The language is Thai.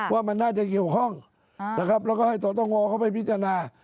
ว่ามันน่าจะเกี่ยวข้องนะครับแล้วก็ให้สตงเข้าไปพิจารณา